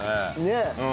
ねえ。